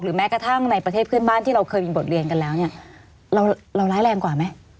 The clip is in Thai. แม้กระทั่งในประเทศเพื่อนบ้านที่เราเคยมีบทเรียนกันแล้วเนี่ยเราร้ายแรงกว่าไหม